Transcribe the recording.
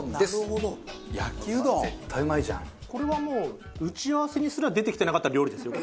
これはもう打ち合わせにすら出てきてなかった料理ですよ。